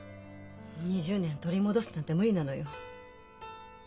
２０年取り戻すなんて無理なのよ。